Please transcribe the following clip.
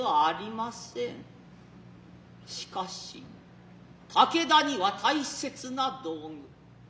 しかし武田には大切な道具。